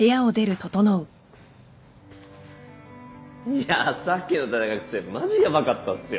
いやさっきの大学生マジヤバかったっすよ。